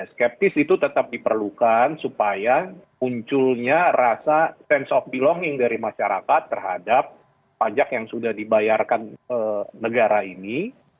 skeptis itu tetap diperlukan supaya munculnya rasa sense of belonging dari masyarakat terhadap pajak yang sudah dibayarkan negara ini